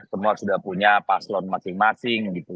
semua sudah punya paslon masing masing gitu